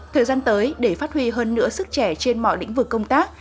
thời gian tới để phát huy hơn nữa sức trẻ trên mọi lĩnh vực công tác